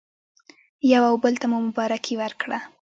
یو او بل ته مو مبارکي ورکړه.